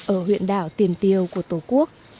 ở huyện đảo tiền tiêu của tổ quốc